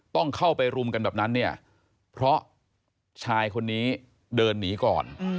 ต้องเข้าไปรุมกันแบบนั้นเนี่ยเพราะชายคนนี้เดินหนีก่อน